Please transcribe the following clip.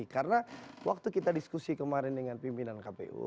karena waktu kita diskusi kemarin dengan pimpinan kpu